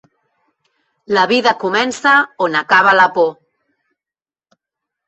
La vida comença on acaba la por.